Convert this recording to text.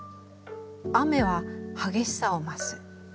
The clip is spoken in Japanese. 雨は激しさを増す。